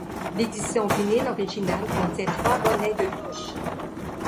L'édition vinyle originale contient trois bonnets de douche.